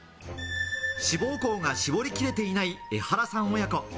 志望校が絞りきれていないエハラさん親子。